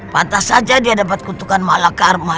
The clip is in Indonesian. pantas saja dia dapat kutukan mahalah karma